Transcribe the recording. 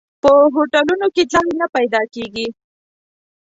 په هوټلونو کې ځای نه پیدا کېږي.